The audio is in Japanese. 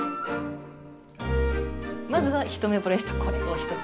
まずは一目ぼれした「これ」をひとつ。